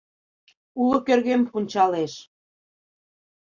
Уло кӧргем пунчалеш...